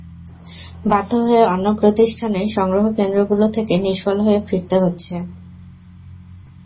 বাধ্য হয়ে অন্য প্রতিষ্ঠানের সংগ্রহ কেন্দ্রগুলো থেকে নিষ্ফল হয়ে ফিরতে হচ্ছে।